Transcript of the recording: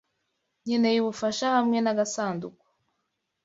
Nkeneye ubufasha hamwe nagasanduku.